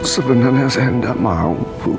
sebenernya saya gak mau